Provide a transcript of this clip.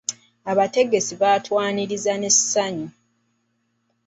Abategesi baatwaniriza n'essanyu.